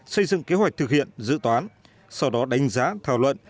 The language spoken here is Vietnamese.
xây dựng kế hoạch thực hiện dự toán sau đó đánh giá thảo luận